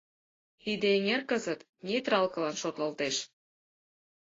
Тиде эҥер кызыт нейтралкылан шотлалтеш.